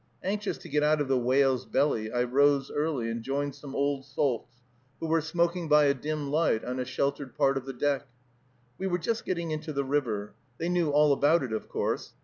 Anxious to get out of the whale's belly, I rose early, and joined some old salts, who were smoking by a dim light on a sheltered part of the deck. We were just getting into the river. They knew all about it, of course.